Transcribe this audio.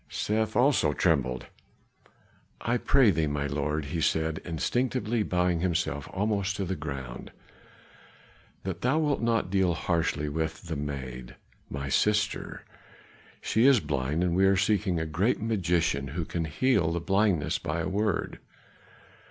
Seth also trembled. "I pray thee, my lord," he said, instinctively bowing himself almost to the ground, "that thou wilt not deal harshly with the maid, my sister. She is blind, and we were seeking a great magician who can heal blindness by a word.